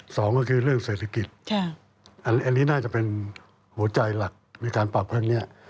สองก็คือเรื่องเศรษฐกิจอันนี้น่าจะเป็นหัวใจหลักในการปรับครั้งนี้